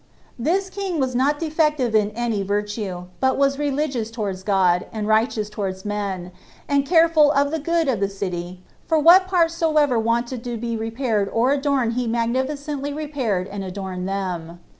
This king was not defective in any virtue, but was religious towards God, and righteous towards men, and careful of the good of the city [for what part soever wanted to be repaired or adorned he magnificently repaired and adorned them].